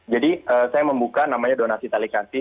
jadi saya membuka namanya donasi talikasi